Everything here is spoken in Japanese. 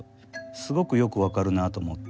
すごくよく分かるなと思って。